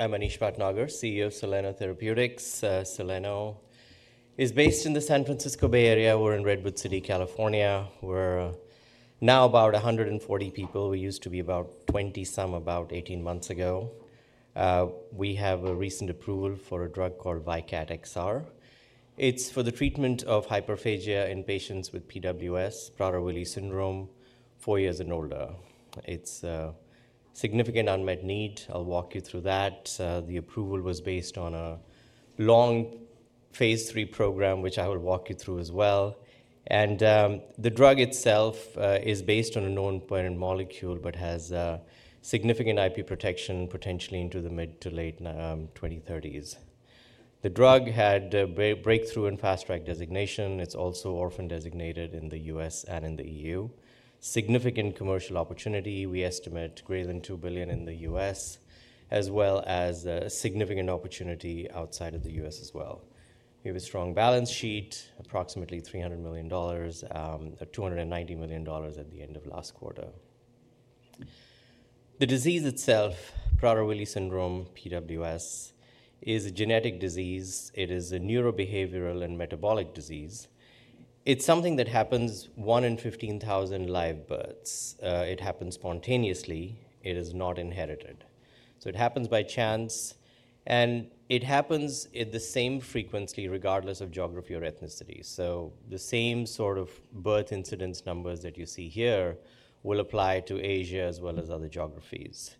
I'm Anish Bhatnagar, CEO of Soleno Therapeutics. Soleno is based in the San Francisco Bay Area. We're in Redwood City, California. We're now about 140 people. We used to be about 20-some, about 18 months ago. We have a recent approval for a drug called VYKAT XR. It's for the treatment of hyperphagia in patients with PWS, Prader-Willi syndrome, four years and older. It's a significant unmet need. I'll walk you through that. The approval was based on a long phase III program, which I will walk you through as well. The drug itself is based on a known pertinent molecule but has significant IP protection, potentially into the mid to late 2030s. The drug had breakthrough and fast-track designation. It's also orphan designated in the U.S. and in the EU. Significant commercial opportunity. We estimate greater than $2 billion in the U.S., as well as a significant opportunity outside of the U.S. as well. We have a strong balance sheet, approximately $300 million, $290 million at the end of last quarter. The disease itself, Prader-Willi syndrome, PWS, is a genetic disease. It is a neurobehavioral and metabolic disease. It's something that happens to 1 in 15,000 live births. It happens spontaneously. It is not inherited. It happens by chance, and it happens at the same frequency regardless of geography or ethnicity. The same sort of birth incidence numbers that you see here will apply to Asia as well as other geographies.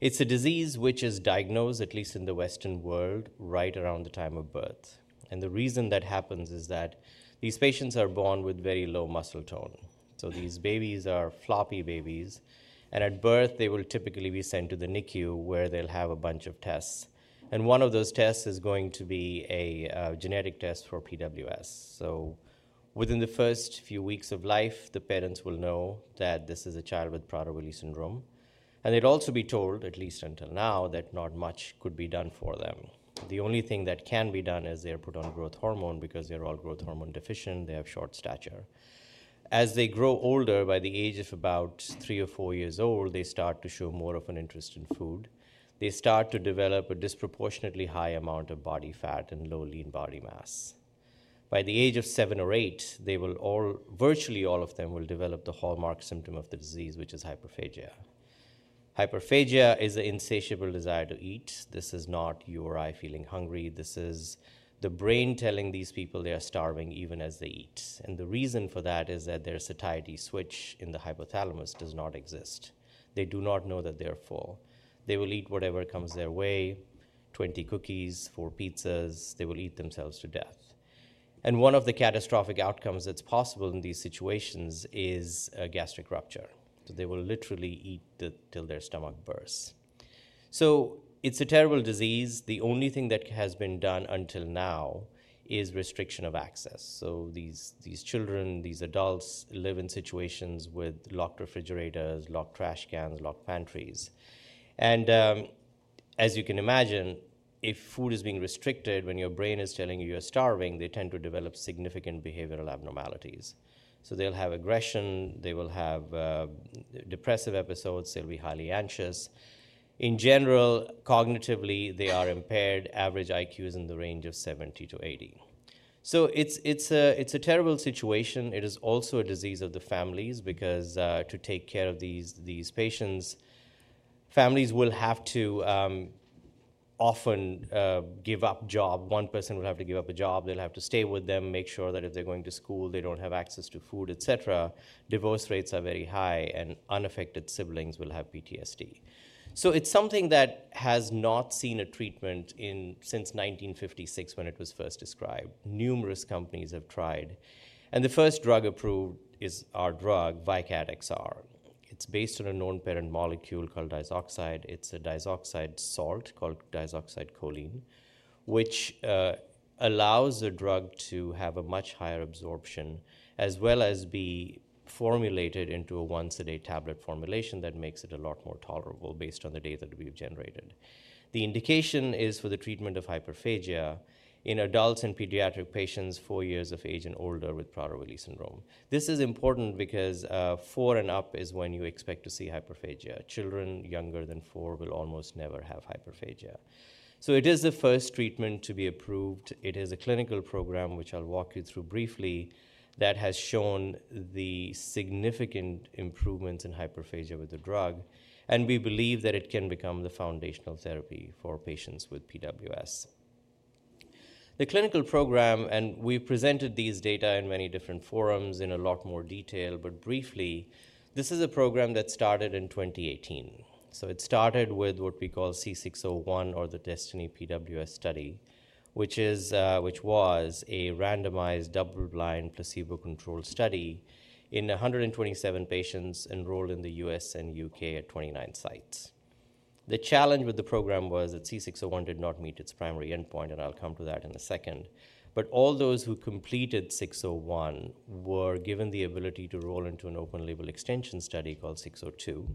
It's a disease which is diagnosed, at least in the Western world, right around the time of birth. The reason that happens is that these patients are born with very low muscle tone. These babies are floppy babies. At birth, they will typically be sent to the NICU where they'll have a bunch of tests. One of those tests is going to be a genetic test for PWS. Within the first few weeks of life, the parents will know that this is a child with Prader-Willi syndrome. They'd also be told, at least until now, that not much could be done for them. The only thing that can be done is they're put on growth hormone because they're all growth hormone deficient. They have short stature. As they grow older, by the age of about three or four years old, they start to show more of an interest in food. They start to develop a disproportionately high amount of body fat and low lean body mass. By the age of seven or eight, they will all, virtually all of them, will develop the hallmark symptom of the disease, which is hyperphagia. Hyperphagia is an insatiable desire to eat. This is not you or I feeling hungry. This is the brain telling these people they are starving even as they eat. The reason for that is that their satiety switch in the hypothalamus does not exist. They do not know that they are full. They will eat whatever comes their way: 20 cookies, four pizzas. They will eat themselves to death. One of the catastrophic outcomes that is possible in these situations is a gastric rupture. They will literally eat till their stomach bursts. It is a terrible disease. The only thing that has been done until now is restriction of access. These children, these adults live in situations with locked refrigerators, locked trash cans, locked pantries. As you can imagine, if food is being restricted, when your brain is telling you you're starving, they tend to develop significant behavioral abnormalities. They'll have aggression. They will have depressive episodes. They'll be highly anxious. In general, cognitively, they are impaired. Average IQ is in the range of 70-80. It's a terrible situation. It is also a disease of the families because to take care of these patients, families will have to often give up jobs. One person will have to give up a job. They'll have to stay with them, make sure that if they're going to school, they don't have access to food, et cetera. Divorce rates are very high, and unaffected siblings will have PTSD. It is something that has not seen a treatment since 1956 when it was first described. Numerous companies have tried. The first drug approved is our drug, VYKAT XR. It is based on a known pertinent molecule called diazoxide. It is a diazoxide salt called diazoxide choline, which allows the drug to have a much higher absorption as well as be formulated into a once-a-day tablet formulation that makes it a lot more tolerable based on the data that we have generated. The indication is for the treatment of hyperphagia in adults and pediatric patients four years of age and older with Prader-Willi syndrome. This is important because four and up is when you expect to see hyperphagia. Children younger than four will almost never have hyperphagia. It is the first treatment to be approved. It is a clinical program, which I'll walk you through briefly, that has shown the significant improvements in hyperphagia with the drug. We believe that it can become the foundational therapy for patients with PWS. The clinical program, and we've presented these data in many different forums in a lot more detail, but briefly, this is a program that started in 2018. It started with what we call C601 or the Destiny PWS study, which was a randomized double-blind placebo-controlled study in 127 patients enrolled in the U.S. and U.K. at 29 sites. The challenge with the program was that C601 did not meet its primary endpoint, and I'll come to that in a second. All those who completed 601 were given the ability to roll into an open-label extension study called 602.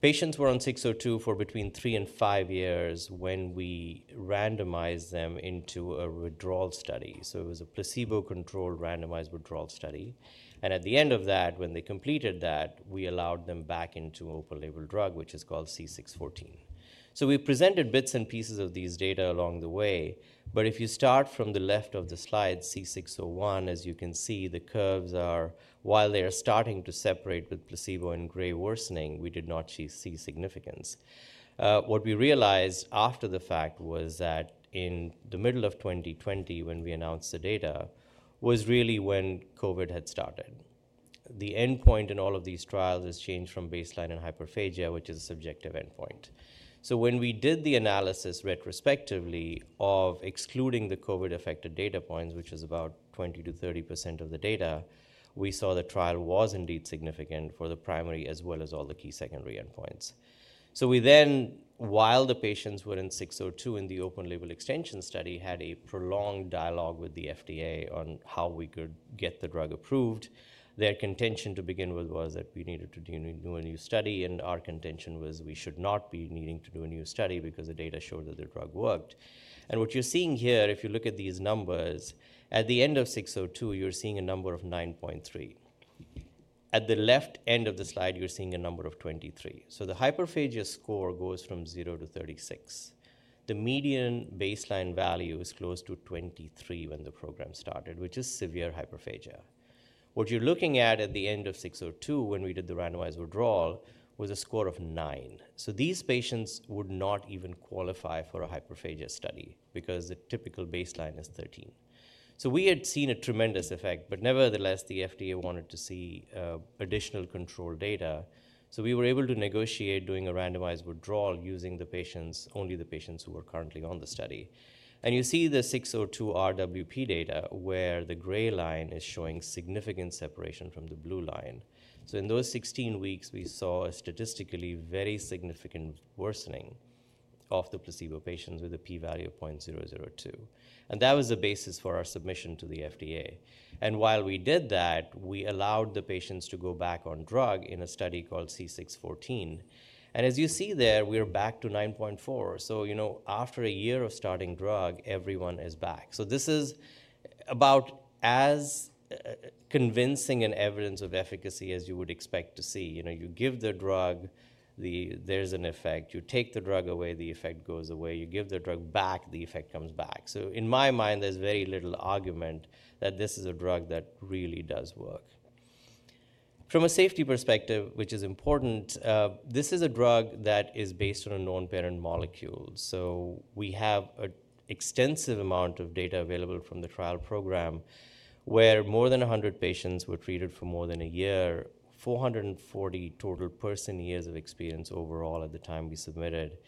Patients were on 602 for between three and five years when we randomized them into a withdrawal study. It was a placebo-controlled randomized withdrawal study. At the end of that, when they completed that, we allowed them back into an open-label drug, which is called C614. We presented bits and pieces of these data along the way. If you start from the left of the slide, C601, as you can see, the curves are, while they are starting to separate with placebo in gray worsening, we did not see significance. What we realized after the fact was that in the middle of 2020, when we announced the data, was really when COVID had started. The endpoint in all of these trials has changed from baseline and hyperphagia, which is a subjective endpoint. When we did the analysis retrospectively of excluding the COVID-affected data points, which is about 20%-30% of the data, we saw the trial was indeed significant for the primary as well as all the key secondary endpoints. We then, while the patients were in 602 in the open-label extension study, had a prolonged dialogue with the FDA on how we could get the drug approved. Their contention to begin with was that we needed to do a new study. Our contention was we should not be needing to do a new study because the data showed that the drug worked. What you are seeing here, if you look at these numbers, at the end of 602, you are seeing a number of 9.3. At the left end of the slide, you are seeing a number of 23. The hyperphagia score goes from 0-36. The median baseline value is close to 23 when the program started, which is severe hyperphagia. What you're looking at at the end of 602 when we did the randomized withdrawal was a score of nine. These patients would not even qualify for a hyperphagia study because the typical baseline is 13. We had seen a tremendous effect. Nevertheless, the FDA wanted to see additional control data. We were able to negotiate doing a randomized withdrawal using only the patients who were currently on the study. You see the 602 RWP data where the gray line is showing significant separation from the blue line. In those 16 weeks, we saw a statistically very significant worsening of the placebo patients with a p-value of 0.002. That was the basis for our submission to the FDA. While we did that, we allowed the patients to go back on drug in a study called C614. As you see there, we are back to 9.4. After a year of starting drug, everyone is back. This is about as convincing an evidence of efficacy as you would expect to see. You give the drug, there is an effect. You take the drug away, the effect goes away. You give the drug back, the effect comes back. In my mind, there is very little argument that this is a drug that really does work. From a safety perspective, which is important, this is a drug that is based on a known pertinent molecule. We have an extensive amount of data available from the trial program where more than 100 patients were treated for more than a year, 440 total person-years of experience overall at the time we submitted,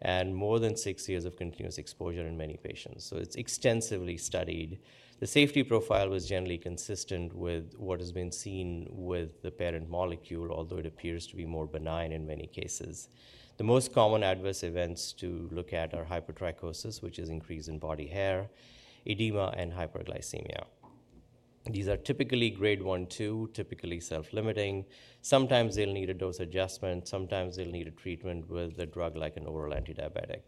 and more than six years of continuous exposure in many patients. It is extensively studied. The safety profile was generally consistent with what has been seen with the pertinent molecule, although it appears to be more benign in many cases. The most common adverse events to look at are hypertrichosis, which is increase in body hair, edema, and hyperglycemia. These are typically grade 1-2, typically self-limiting. Sometimes they will need a dose adjustment. Sometimes they will need a treatment with a drug like an oral antidiabetic.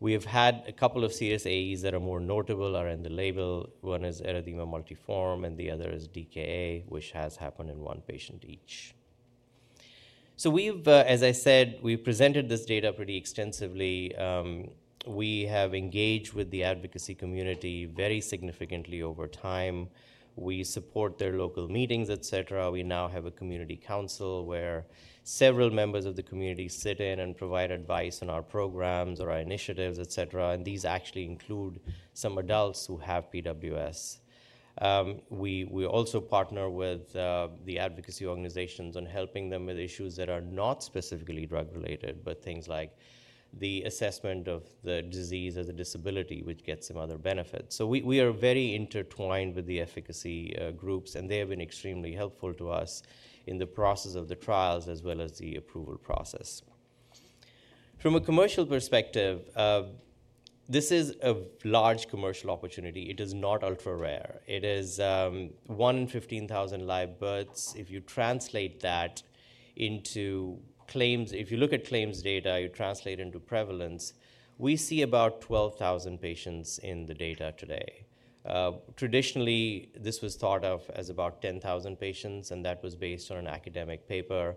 We have had a couple of serious AEs that are more notable are in the label. One is erythema multiforme, and the other is DKA, which has happened in one patient each. As I said, we've presented this data pretty extensively. We have engaged with the advocacy community very significantly over time. We support their local meetings, et cetera. We now have a community council where several members of the community sit in and provide advice on our programs or our initiatives, et cetera. These actually include some adults who have PWS. We also partner with the advocacy organizations on helping them with issues that are not specifically drug-related, but things like the assessment of the disease or the disability, which gets them other benefits. We are very intertwined with the advocacy groups, and they have been extremely helpful to us in the process of the trials as well as the approval process. From a commercial perspective, this is a large commercial opportunity. It is not ultra-rare. It is 1 in 15,000 live births. If you translate that into claims, if you look at claims data, you translate into prevalence, we see about 12,000 patients in the data today. Traditionally, this was thought of as about 10,000 patients, and that was based on an academic paper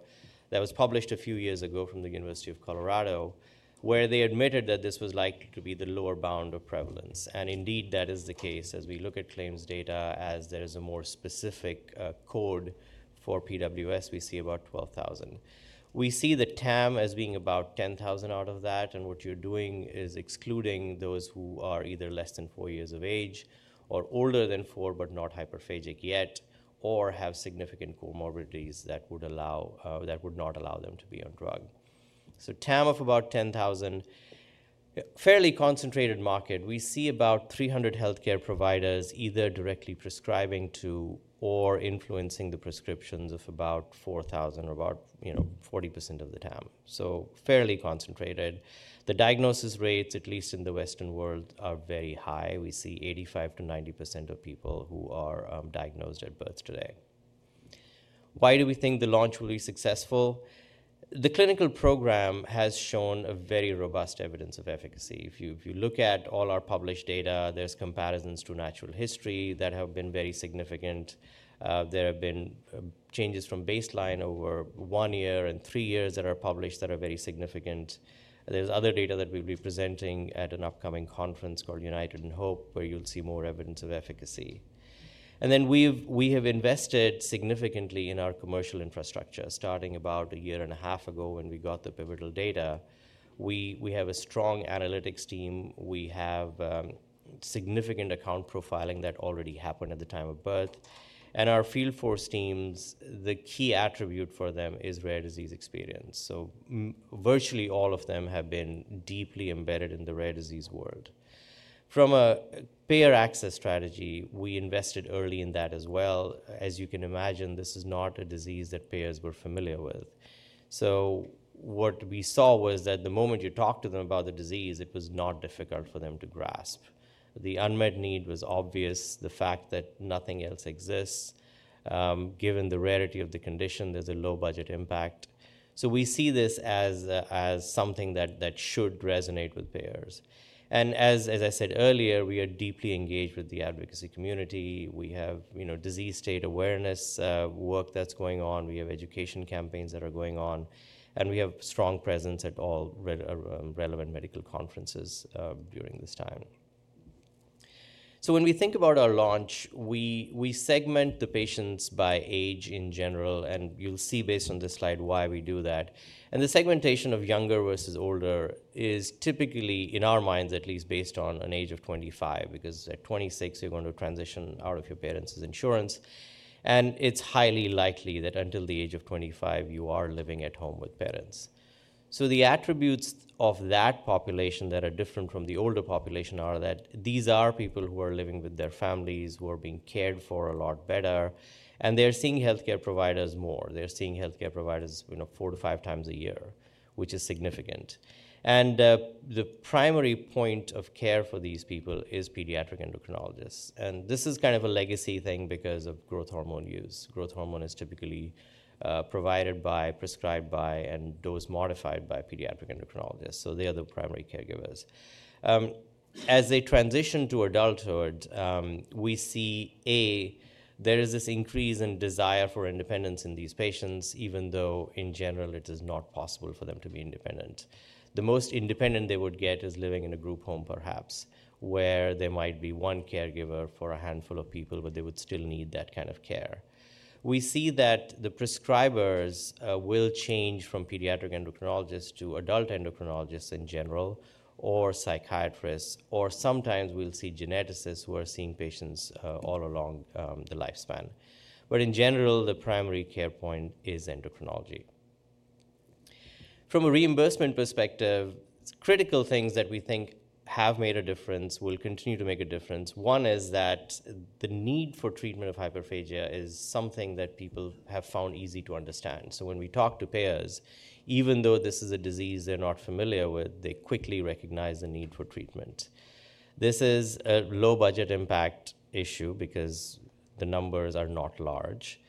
that was published a few years ago from the University of Colorado where they admitted that this was likely to be the lower bound of prevalence. Indeed, that is the case as we look at claims data. As there is a more specific code for PWS, we see about 12,000. We see the TAM as being about 10,000 out of that. What you're doing is excluding those who are either less than four years of age or older than four but not hyperphagic yet or have significant comorbidities that would not allow them to be on drug. So TAM of about 10,000, fairly concentrated market. We see about 300 healthcare providers either directly prescribing to or influencing the prescriptions of about 4,000 or about 40% of the TAM. So fairly concentrated. The diagnosis rates, at least in the Western world, are very high. We see 85%-90% of people who are diagnosed at birth today. Why do we think the launch will be successful? The clinical program has shown very robust evidence of efficacy. If you look at all our published data, there's comparisons to natural history that have been very significant. There have been changes from baseline over one year and three years that are published that are very significant. There is other data that we will be presenting at an upcoming conference called United in Hope where you will see more evidence of efficacy. We have invested significantly in our commercial infrastructure starting about a year and a half ago when we got the pivotal data. We have a strong analytics team. We have significant account profiling that already happened at the time of birth. Our field force teams, the key attribute for them is rare disease experience. Virtually all of them have been deeply embedded in the rare disease world. From a payer access strategy, we invested early in that as well. As you can imagine, this is not a disease that payers were familiar with. What we saw was that the moment you talk to them about the disease, it was not difficult for them to grasp. The unmet need was obvious, the fact that nothing else exists. Given the rarity of the condition, there's a low-budget impact. We see this as something that should resonate with payers. As I said earlier, we are deeply engaged with the advocacy community. We have disease state awareness work that's going on. We have education campaigns that are going on. We have a strong presence at all relevant medical conferences during this time. When we think about our launch, we segment the patients by age in general. You'll see based on this slide why we do that. The segmentation of younger versus older is typically, in our minds at least, based on an age of 25 because at 26, you're going to transition out of your parents' insurance. It is highly likely that until the age of 25, you are living at home with parents. The attributes of that population that are different from the older population are that these are people who are living with their families, who are being cared for a lot better. They are seeing healthcare providers more. They are seeing healthcare providers four to five times a year, which is significant. The primary point of care for these people is pediatric endocrinologists. This is kind of a legacy thing because of growth hormone use. Growth hormone is typically provided by, prescribed by, and dose-modified by pediatric endocrinologists. They are the primary caregivers. As they transition to adulthood, we see, A, there is this increase in desire for independence in these patients, even though in general, it is not possible for them to be independent. The most independent they would get is living in a group home, perhaps, where there might be one caregiver for a handful of people, but they would still need that kind of care. We see that the prescribers will change from pediatric endocrinologists to adult endocrinologists in general or psychiatrists. Or sometimes we will see geneticists who are seeing patients all along the lifespan. In general, the primary care point is endocrinology. From a reimbursement perspective, critical things that we think have made a difference will continue to make a difference. One is that the need for treatment of hyperphagia is something that people have found easy to understand. When we talk to payers, even though this is a disease they're not familiar with, they quickly recognize the need for treatment. This is a low-budget impact issue because the numbers are not large.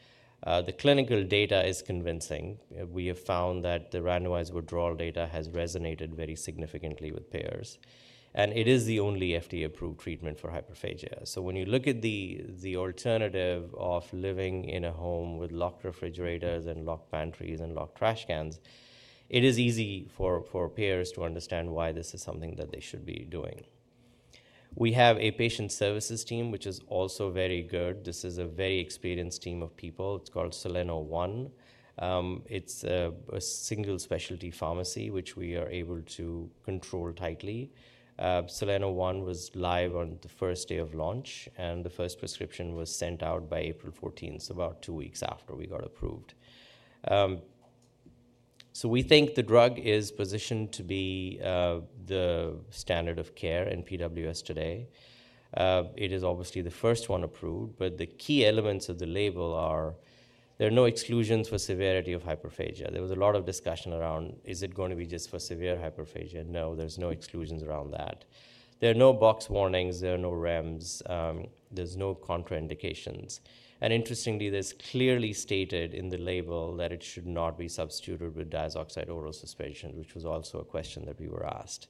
The clinical data is convincing. We have found that the randomized withdrawal data has resonated very significantly with payers. It is the only FDA-approved treatment for hyperphagia. When you look at the alternative of living in a home with locked refrigerators and locked pantries and locked trash cans, it is easy for payers to understand why this is something that they should be doing. We have a patient services team, which is also very good. This is a very experienced team of people. It's called Soleno ONE. It's a single specialty pharmacy, which we are able to control tightly. Soleno ONE was live on the first day of launch. The first prescription was sent out by April 14, so about two weeks after we got approved. We think the drug is positioned to be the standard of care in PWS today. It is obviously the first one approved. The key elements of the label are there are no exclusions for severity of hyperphagia. There was a lot of discussion around, is it going to be just for severe hyperphagia? No, there are no exclusions around that. There are no box warnings. There are no REMS. There are no contraindications. Interestingly, it is clearly stated in the label that it should not be substituted with diazoxide oral suspension, which was also a question that we were asked.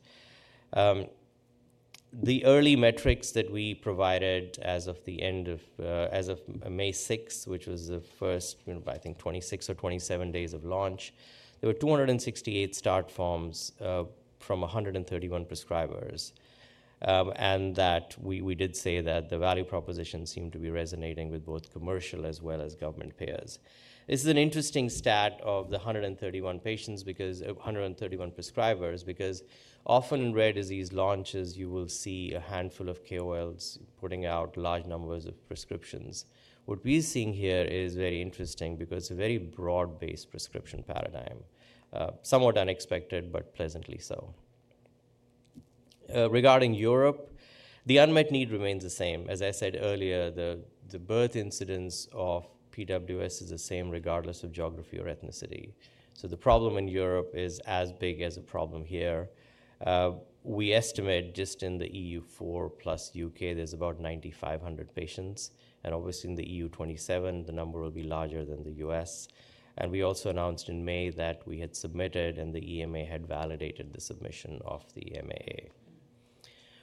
The early metrics that we provided as of May 6, which was the first, I think, 26 or 27 days of launch, there were 268 start forms from 131 prescribers. We did say that the value proposition seemed to be resonating with both commercial as well as government payers. This is an interesting stat of the 131 prescribers because often in rare disease launches, you will see a handful of KOLs putting out large numbers of prescriptions. What we are seeing here is very interesting because it is a very broad-based prescription paradigm, somewhat unexpected, but pleasantly so. Regarding Europe, the unmet need remains the same. As I said earlier, the birth incidence of PWS is the same regardless of geography or ethnicity. The problem in Europe is as big as the problem here. We estimate just in the EU4 plus U.K., there are about 9,500 patients. Obviously, in the EU27, the number will be larger than the U.S. We also announced in May that we had submitted and the EMA had validated the submission of the MAA.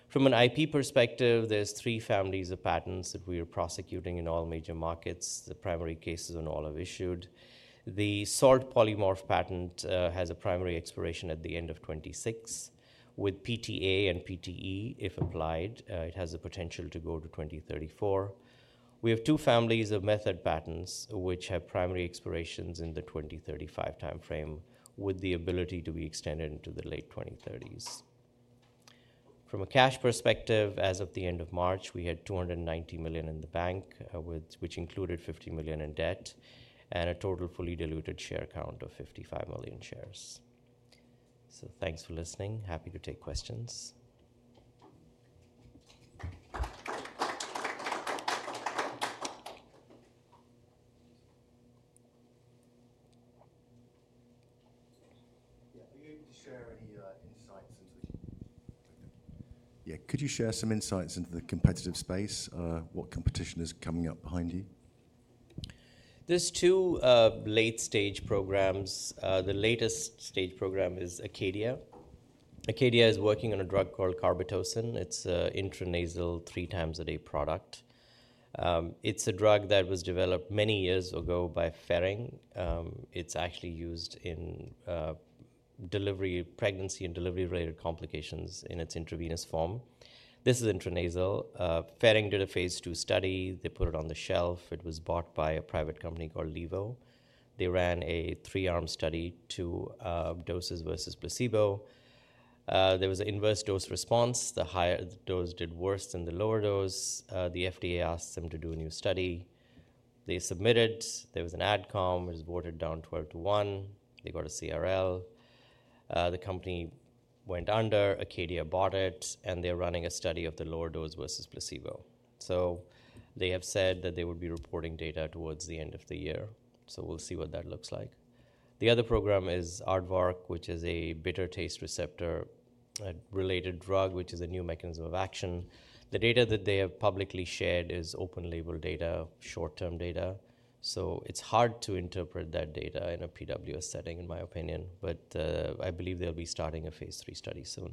From an IP perspective, there's three families of patents that we are prosecuting in all major markets. The primary cases on all have issued. The salt polymorph patent has a primary expiration at the end of 2026. With PTA and PTE, if applied, it has the potential to go to 2034. We have two families of method patents, which have primary expirations in the 2035 timeframe with the ability to be extended into the late 2030s. From a cash perspective, as of the end of March, we had $290 million in the bank, which included $50 million in debt and a total fully diluted share count of 55 million shares. Thanks for listening. Happy to take questions. Yeah. Are you able to share any insights into? Yeah. Could you share some insights into the competitive space? What competition is coming up behind you? There's two late-stage programs. The latest stage program is Acadia. Acadia is working on a drug called carbetocin. It's an intranasal three-times-a-day product. It's a drug that was developed many years ago by Ferring. It's actually used in pregnancy and delivery-related complications in its intravenous form. This is intranasal. Ferring did a phase II study. They put it on the shelf. It was bought by a private company called Levo. They ran a three-arm study, two doses versus placebo. There was an inverse dose response. The higher dose did worse than the lower dose. The FDA asked them to do a new study. They submitted. There was an adcom. It was voted down 12 to 1. They got a CRL. The company went under. Acadia bought it. They're running a study of the lower dose versus placebo. They have said that they would be reporting data towards the end of the year. We will see what that looks like. The other program is Aardvark, which is a bitter taste receptor-related drug, which is a new mechanism of action. The data that they have publicly shared is open-label data, short-term data. It is hard to interpret that data in a PWS setting, in my opinion. I believe they will be starting a phase III study soon.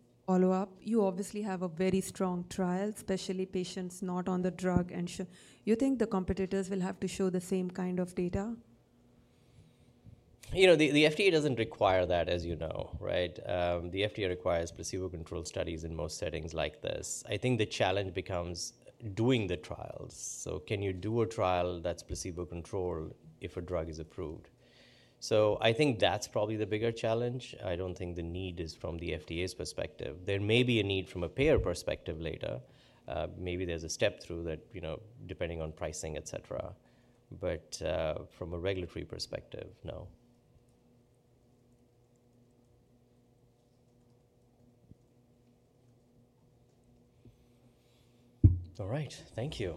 Just to follow up, you obviously have a very strong trial, especially patients not on the drug. Do you think the competitors will have to show the same kind of data? The FDA does not require that, as you know, right? The FDA requires placebo-controlled studies in most settings like this. I think the challenge becomes doing the trials. Can you do a trial that is placebo-controlled if a drug is approved? I think that is probably the bigger challenge. I do not think the need is from the FDA's perspective. There may be a need from a payer perspective later. Maybe there is a step-through depending on pricing, etc. From a regulatory perspective, no. All right. Thank you.